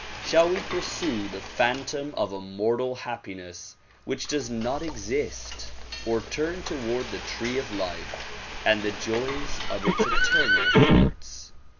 Shall we pursue the phantom of a mortal happiness which does not exist or turn toward the tree of life and the joys of its eternal fruits?